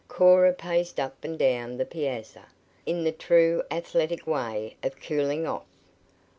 Cora paced up and down the piazza, in the true athletic way of cooling off.